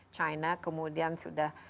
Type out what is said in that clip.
china kemudian sudah